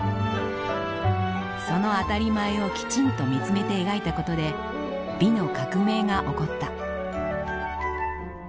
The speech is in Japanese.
その当たり前をきちんと見つめて描いたことで美の革命が起こった。